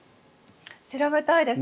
調べたいです。